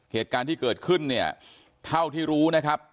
เหตุการณ์ที่เกิดขึ้นเนี่ยเท่าที่รู้นะครับ